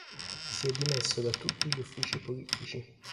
Si è dimesso da tutti gli uffici politici.